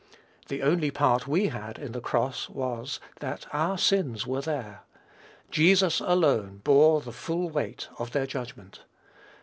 The only part we had in the cross was, that our sins were there. Jesus alone bore the full weight of their judgment.